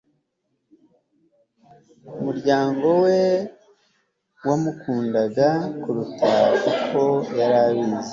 ku muryango we wamukundaga (kuruta uko yari abizi